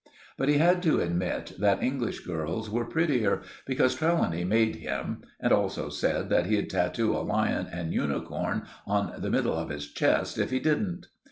But he had to admit that English girls were prettier, because Trelawny made him, and also said that he'd tattoo a lion and unicorn on the middle of his chest if he didn't.